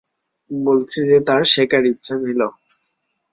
বলছি যে, তার শেখার ইচ্ছা ছিল।